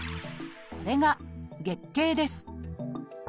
これが「月経」です。